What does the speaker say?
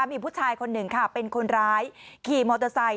มีผู้ชายคนหนึ่งค่ะเป็นคนร้ายขี่มอเตอร์ไซค